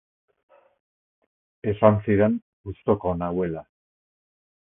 Esan zidan gustuko nauela.